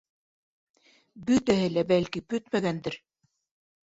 Бөтәһе лә, бәлки, бөтмәгәндер?